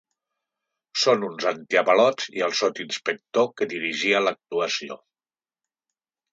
Són un antiavalots i el sotsinspector que dirigia l’actuació.